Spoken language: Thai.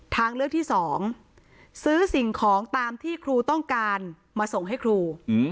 ทางเลือกที่๒ซื้อสิ่งของตามที่ครูต้องการมาส่งให้ครู